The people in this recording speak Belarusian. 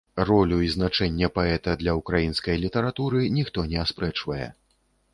Ролю і значэнне паэта для ўкраінскай літаратуры ніхто не аспрэчвае.